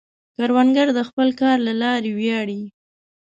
کروندګر د خپل کار له لارې ویاړي